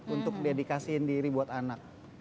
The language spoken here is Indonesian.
untuk dedikasiin diri buat anak